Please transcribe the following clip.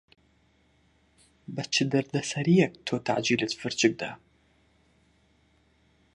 بە چ دەردەسەرییەک تۆ تەعجیلت فرچک دا.